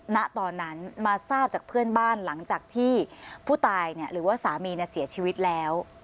ณตอนนั้นมาทราบจากเพื่อนบ้านหลังจากที่ผู้ตายหรือว่าสามีเสียชีวิตแล้ว